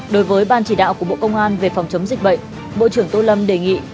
đối với ban chỉ đạo của bộ công an về phòng chống dịch bệnh bộ trưởng tô lâm đề nghị